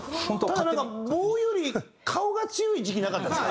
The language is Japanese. ただなんか棒より顔が強い時期なかったですか？